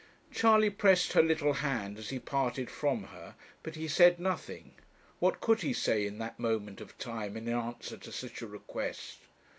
Charley pressed her little hand as he parted from her, but he said nothing. What could he say, in that moment of time, in answer to such a request?